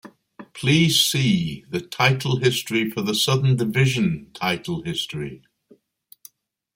Please see that title history for the Southern Division title history.